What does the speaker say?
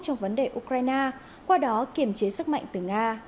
trong vấn đề ukraine qua đó kiềm chế sức mạnh từ nga